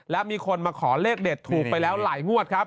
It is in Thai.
และมีคนมาขอเลขเด็ดถูกไปแล้วหลายงวดครับ